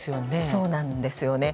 そうなんですよね。